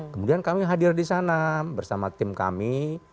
kemudian kami hadir disana bersama tim kami